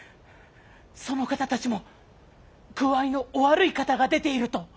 その方たちも具合のお悪い方が出ていると。